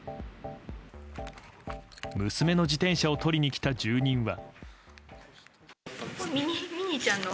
娘の自転車を取りに来た住人は。